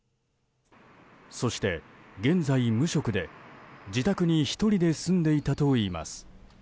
そして現在、無職で自宅に１人で住んでいたといいます。